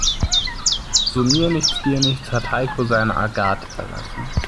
So mir nichts, dir nichts hat Heiko seine Agathe verlassen.